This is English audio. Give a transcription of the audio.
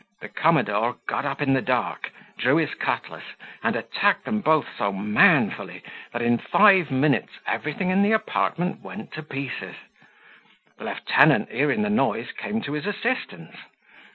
The commodore got up in the dark, drew his cutlass, and attacked them both so manfully, that in five minutes everything in the apartment went to pieces, The lieutenant, hearing the noise, came to his assistance.